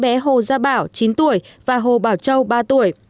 bé hồ gia bảo chín tuổi và hồ bảo châu ba tuổi